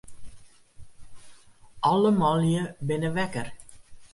Alle manlju binne wekker.